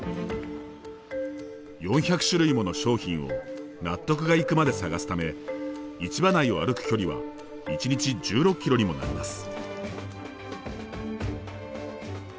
４００種類もの商品を納得がいくまで探すため市場内を歩く距離は一日１６ｋｍにもなります。